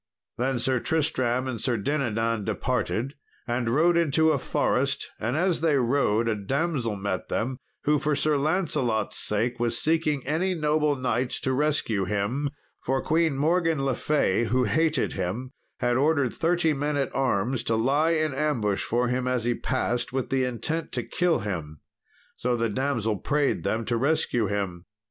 Then Sir Tristram and Sir Dinadan departed, and rode into a forest, and as they rode a damsel met them, who for Sir Lancelot's sake was seeking any noble knights to rescue him. For Queen Morgan le Fay, who hated him, had ordered thirty men at arms to lie in ambush for him as he passed, with the intent to kill him. So the damsel prayed them to rescue him.